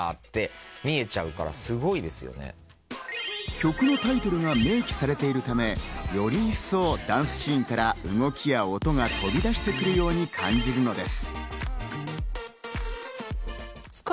曲のタイトルが明記されているため、より一層、ダンスシーンから動きや音が飛び出してくるように感じるのです。